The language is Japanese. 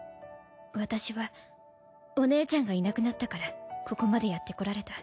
私はお姉ちゃんがいなくなったからここまでやってこられた。